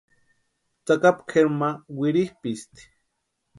Tsakapu kʼeri ma wirhipʼisti.